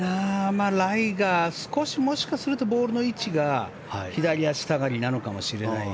まあ、ライが少し、もしかするとボールの位置が左足下がりなのかもしれない。